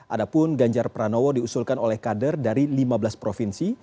adapun ganjar pranowo diusulkan oleh kader dari lima belas provinsi